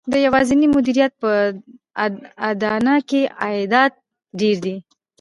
د یوازېني مدیریت په اډانه کې عایدات ډېر دي